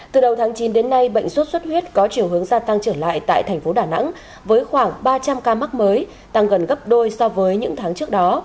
từ đầu tháng chín đến nay bệnh sốt xuất huyết có chiều hướng gia tăng trở lại tại thành phố đà nẵng với khoảng ba trăm linh ca mắc mới tăng gần gấp đôi so với những tháng trước đó